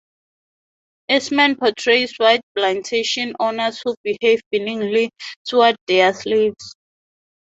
Eastman portrays white plantation owners who behave benignly toward their slaves.